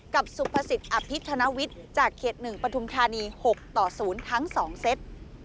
กับสุพศิษฐ์อภิษฐนวิทย์จากเขต๑ปธุมธานี๖๐ทั้ง๒เซต